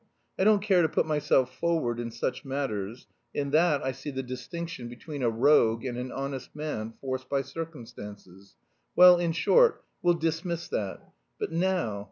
I don't care to put myself forward in such matters; in that I see the distinction between a rogue and an honest man forced by circumstances. Well, in short, we'll dismiss that. But now...